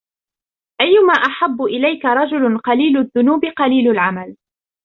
أَيُّمَا أَحَبُّ إلَيْك رَجُلٌ قَلِيلُ الذُّنُوبِ قَلِيلُ الْعَمَلِ